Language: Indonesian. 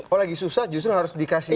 oh lagi susah justru harus dikasih